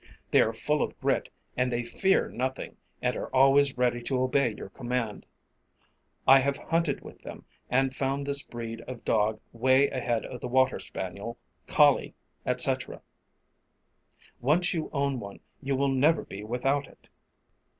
They are full of grit and they fear nothing and are always ready to obey your command. I have hunted with them and found this breed of dog away ahead of the water spaniel, collie, etc. Once you own one you will never be without it.